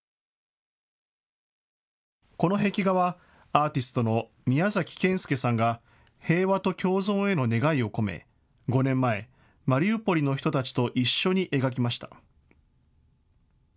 この壁画はアーティストのミヤザキケンスケさんが平和と共存への願いを込め５年前、マリウポリの人たちと一緒に描きました。